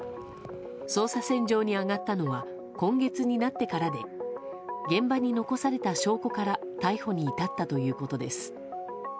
捜査線上に上がったのは今月になってからで現場に残された証拠から逮捕に至ったということです。